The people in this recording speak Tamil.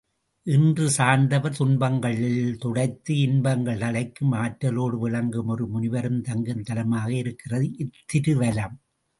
இன்று சார்ந்தவர் துன்பங்கள் துடைத்து இன்பங்கள் தழைக்கும் ஆற்றலோடு விளங்கும் ஒரு முனிவரும் தங்கும் தலமாக இருக்கிறது இத்திருவலம்.